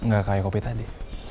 gak kayak kopi tadi